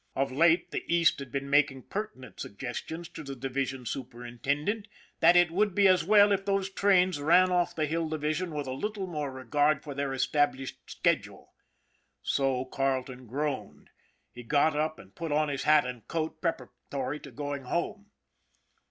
Of late the East had been making pertinent suggestions to the Division Superintendent that it would be as well if those trains ran off the Hill Division with a little more regard for their established schedule. So Carleton groaned. He got up and put on his hat and coat preparatory to going home.